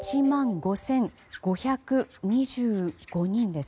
１万５５２５人。